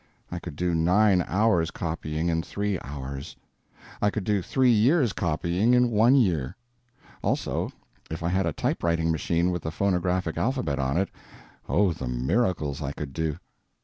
I could do nine hours' copying in three hours; I could do three years' copying in one year. Also, if I had a typewriting machine with the phonographic alphabet on it—oh, the miracles I could do!